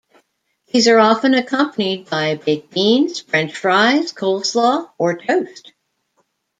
These are often accompanied by baked beans, french fries, coleslaw, or toast.